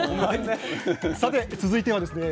さて続いてはですね